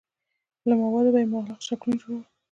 له دې موادو به یې مغلق شکلونه جوړول.